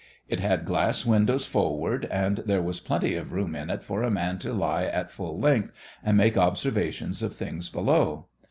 It had glass windows forward and there was plenty of room in it for a man to lie at full length and make observations of things below.